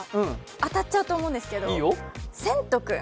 当たっちゃうと思うんですけどせんとくん。